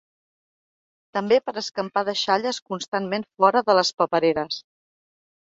També per escampar deixalles constantment fora de les papereres.